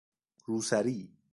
روسری